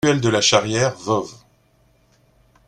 Ruelle de la Charrière, Voves